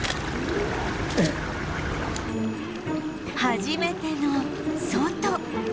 初めての外